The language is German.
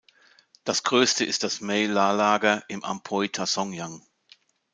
Das größte ist das Mae La Lager im Amphoe Tha Song Yang.